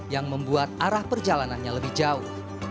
yang membuat arah perjalanannya lebih jauh